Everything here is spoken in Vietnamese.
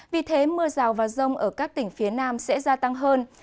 vì thế mưa rào và rông ở các tỉnh phía nam sẽ gia tăng hơn